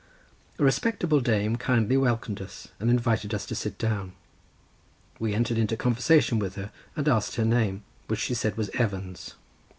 A respectable dame kindly welcomed us and invited us to sit down. We entered into conversation with her, and asked her name, which she said was Evans.